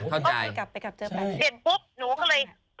เที่ยวที่๘ในสัปดาห์นี้